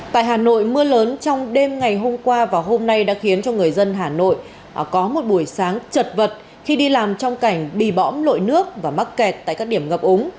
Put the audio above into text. tại hà nội mưa lớn trong đêm ngày hôm qua và hôm nay đã khiến cho người dân hà nội có một buổi sáng chật vật khi đi làm trong cảnh bị bõm lội nước và mắc kẹt tại các điểm ngập úng